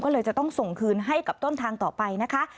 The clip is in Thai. ก็เลยจะต้องส่งคืนให้กับต้นทางต่อไปนะคะ